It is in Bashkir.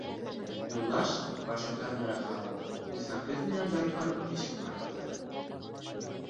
Юлдаш, башын ҡырыныраҡ һалып, уйсан төҫ менән Зарифаның эшен ҡарап торҙо.